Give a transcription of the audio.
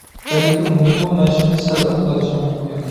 بەلكىم، بۇ مەشىقنى سەنلا قىلالىشىڭ مۇمكىن.